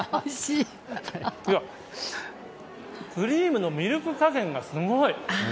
いや、クリームのミルクかげんがすごい。